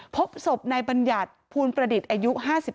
พบสบในบรรยัติภูลประดิษฐ์อายุ๕๓